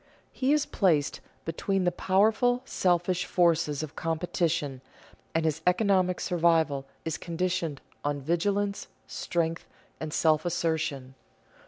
He is placed between the powerful, selfish forces of competition, and his economic survival is conditioned on vigilance, strength, and self assertion.